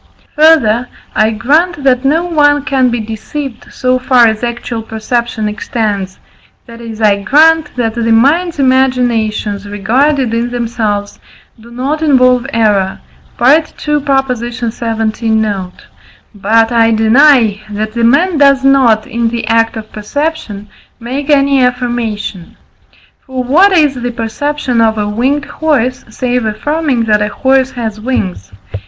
Further, I grant that no one can be deceived, so far as actual perception extends that is, I grant that the mind's imaginations, regarded in themselves, do not involve error (II. xvii. note); but I deny, that a man does not, in the act of perception, make any affirmation. For what is the perception of a winged horse, save affirming that a horse has wings?